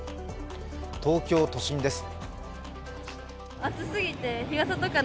東京都心です。